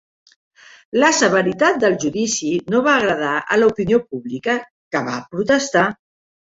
La severitat del judici no va agradar a l'opinió pública, que va protestar.